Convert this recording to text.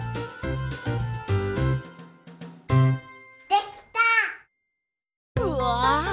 できた！わ！